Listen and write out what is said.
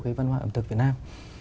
cái văn hóa ẩm thực việt nam